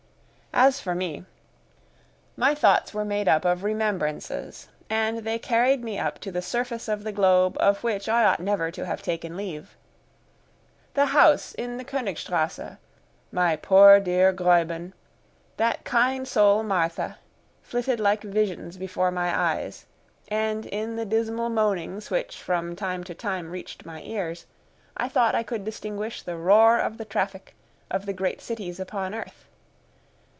As for me, my thoughts were made up of remembrances, and they carried me up to the surface of the globe of which I ought never to have taken leave. The house in the Königstrasse, my poor dear Gräuben, that kind soul Martha, flitted like visions before my eyes, and in the dismal moanings which from time to time reached my ears I thought I could distinguish the roar of the traffic of the great cities upon earth.